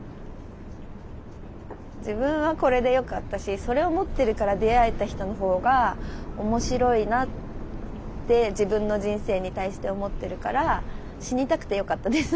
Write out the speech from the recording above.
自分はこれでよかったしそれを持ってるから出会えた人の方が面白いなって自分の人生に対して思ってるから死にたくてよかったです